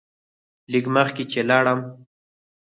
لږ مخکې چې لاړم.